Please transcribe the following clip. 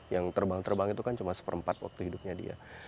yang terbang terbang itu kan cuma satu per empat waktu hidupnya dia